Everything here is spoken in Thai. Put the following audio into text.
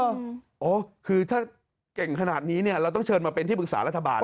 โอ้โหคือถ้าเก่งขนาดนี้เนี่ยเราต้องเชิญมาเป็นที่ปรึกษารัฐบาล